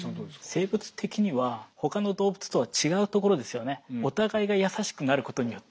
生物的にはほかの動物とは違うところですよね。